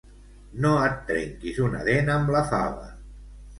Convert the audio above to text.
No et trenquis una dent amb la fava!